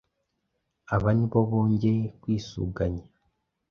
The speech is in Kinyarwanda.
aba nibo bongeye kwisuganya